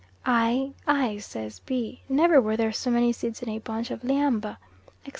"Ai, Ai," says B., "never were there so many seeds in a bunch of lhiamba," etc.